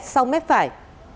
sau mếp phải